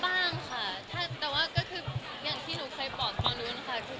บ้างค่ะแต่ว่าก็คืออย่างที่หนูเคยบอกตอนนู้นนะคะ